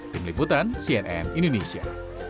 tim liputan cnn indonesia